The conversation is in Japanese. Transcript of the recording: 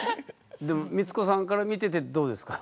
でも光子さんから見ててどうですか？